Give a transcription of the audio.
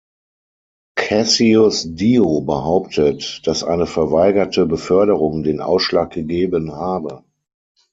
Cassius Dio behauptet, dass eine verweigerte Beförderung den Ausschlag gegeben habe.